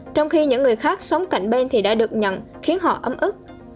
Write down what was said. trong khi những người khác sống cạnh bên thì đã được nhận khiến họ ấm ức